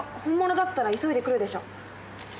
本物だったら急いで来るでしょ。